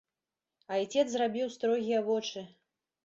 Айцец зрабіў строгія вочы.